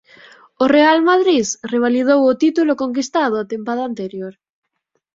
O Real Madrid revalidou o título conquistado a tempada anterior.